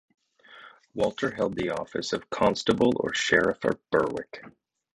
Walter held the office of Constable or Sheriff of Berwick.